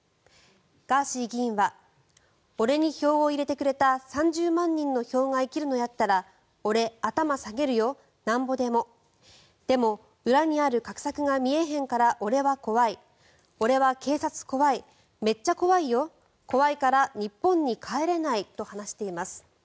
ガーシー議員は俺に票を入れてくれた３０万人の票が生きるのやったら俺、頭下げるよ、なんぼでもでも、裏にある画策が見えへんから俺は怖い俺は警察怖いめっちゃ怖いよ怖いから日本に帰れないと話しています。